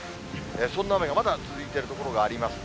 そんな雨がまだ続いている所があります。